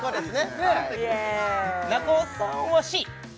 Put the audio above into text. イエ中尾さんはＣ？